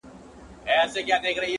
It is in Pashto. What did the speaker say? کارخانې پکښی بنا د علم و فن شي٫